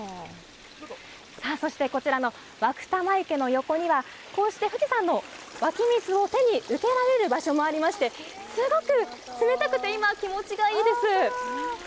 そして湧玉池の横には、富士山の湧き水を手に受けられる場所もありまして、すごく冷たくて、今、気持ちがいいです。